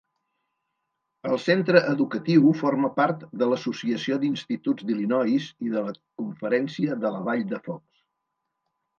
El centre educatiu forma part de l'Associació d'Instituts d'Illinois i de la Conferència de la Vall de Fox.